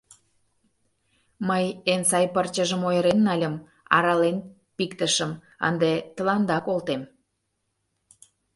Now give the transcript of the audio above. Мый эн сай пырчыжым ойырен нальым, арален пиктышым, ынде тыланда колтем.